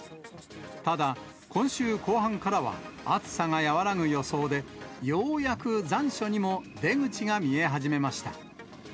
ただ、今週後半からは暑さが和らぐ予想で、ようやく残暑にも出口が見え始めました。